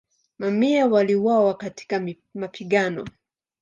Mamia waliuawa katika mapigano.